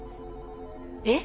えっ？